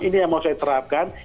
ini yang mau saya terapkan